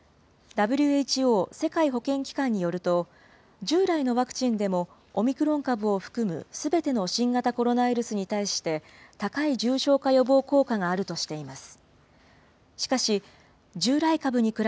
ＷＨＯ・世界保健機関によると、従来のワクチンでもオミクロン株を含むすべての新型コロナウイルスに対して、高い重症化予防効果があるとしています。